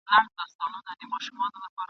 په دامونو کي یې کښېوتل سېلونه !.